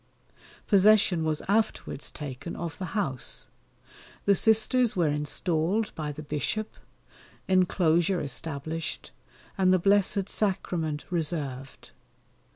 Possession was afterwards taken of the house. The Sisters were installed by the Bishop, enclosure established, and the Blessed Sacrament reserved.